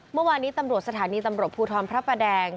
เมื่อวานนี้ตำรวจสถานีตำรวจภูทรพระประแดง